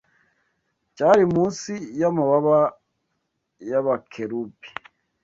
cyari munsi y’amababa y’abakerubi